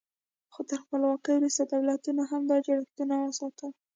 خو تر خپلواکۍ وروسته دولتونو هم دا جوړښتونه وساتل.